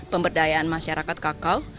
pemberdayaan masyarakat kakao